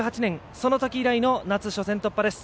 そのとき以来の夏、初戦突破です。